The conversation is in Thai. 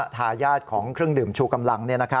ทายาทของเครื่องดื่มชูกำลัง